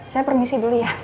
saya permisi dulu ya